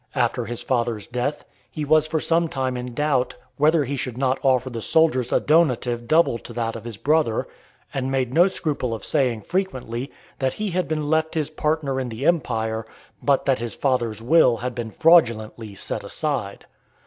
After his father's death, he was for some time in doubt, whether he should not offer the soldiers a donative double to that of his brother, and made no scruple of saying frequently, "that he had been left his partner in the empire, but that his father's will had been fraudulently set aside."